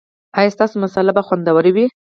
ایا ستاسو مصاله به خوندوره وي؟